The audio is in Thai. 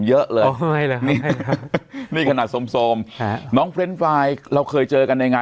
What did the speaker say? สวัสดีครับทุกผู้ชม